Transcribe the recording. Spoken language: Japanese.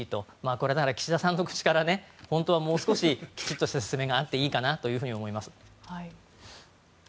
これ、岸田さんの口から本当はもう少しきちっとした説明があっていいかなと思います。